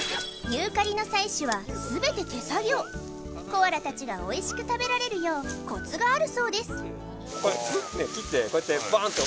ユーカリの採取はすべて手作業コアラ達がおいしく食べられるようコツがあるそうですコツ？